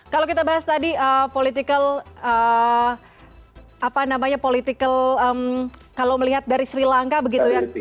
kalau kita bahas tadi politikal apa namanya politikal kalau melihat dari sri lanka begitu ya